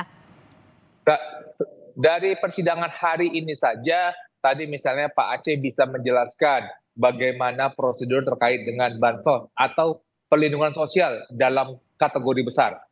nah dari persidangan hari ini saja tadi misalnya pak aceh bisa menjelaskan bagaimana prosedur terkait dengan bansos atau perlindungan sosial dalam kategori besar